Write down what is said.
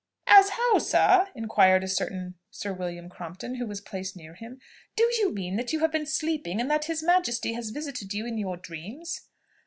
"As how, sir?" inquired a certain Sir William Crompton, who was placed near him. "Do you mean that you have been sleeping, and that his Majesty has visited you in your dreams?"